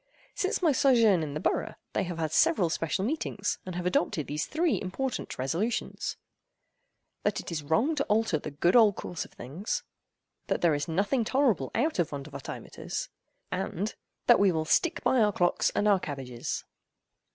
Since my sojourn in the borough, they have had several special meetings, and have adopted these three important resolutions: "That it is wrong to alter the good old course of things:" "That there is nothing tolerable out of Vondervotteimittiss:" and— "That we will stick by our clocks and our cabbages."